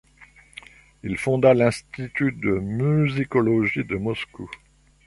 Il fonda l'Institut de musicologie de Moscou.